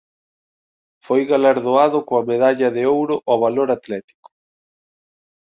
Foi galardoado coa Medalla de ouro ao valor atlético.